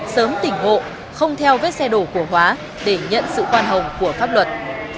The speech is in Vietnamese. sớm tỉnh hộ không theo vết xe đổ của hóa để nhận sự khoan hồng của pháp luật